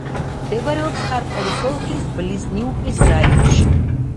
მდებარეობს ხარკოვის ოლქის ბლიზნიუკის რაიონში.